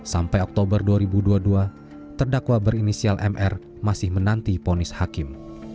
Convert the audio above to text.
sampai oktober dua ribu dua puluh dua terdakwa berinisial mr masih menanti ponis hakim